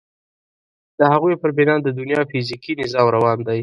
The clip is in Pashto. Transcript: د هغوی پر بنا د دنیا فیزیکي نظام روان دی.